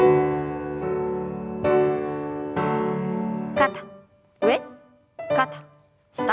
肩上肩下。